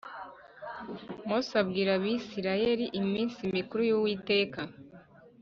Mose abwira Abisirayeli iminsi mikuru y Uwiteka